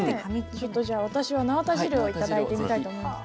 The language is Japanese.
ちょっとじゃあ私はなわた汁を頂いてみたいと思います。